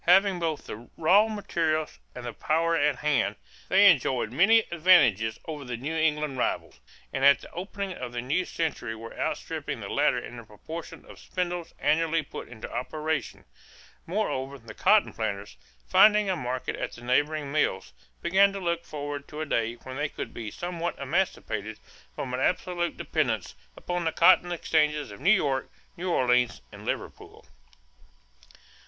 Having both the raw materials and the power at hand, they enjoyed many advantages over the New England rivals, and at the opening of the new century were outstripping the latter in the proportion of spindles annually put into operation. Moreover, the cotton planters, finding a market at the neighboring mills, began to look forward to a day when they would be somewhat emancipated from absolute dependence upon the cotton exchanges of New York, New Orleans, and Liverpool.